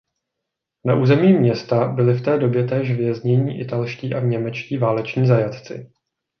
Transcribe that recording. Na území města byli v té době též věznění italští a němečtí váleční zajatci.